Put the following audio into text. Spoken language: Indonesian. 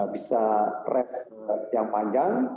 bisa res yang panjang